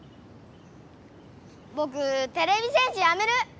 ぼくてれび戦士やめる！